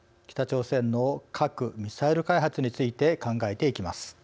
北朝鮮の核・ミサイル開発について考えていきます。